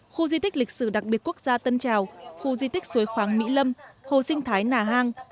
khu di tích lịch sử đặc biệt quốc gia tân trào khu di tích suối khoáng mỹ lâm hồ sinh thái nà hang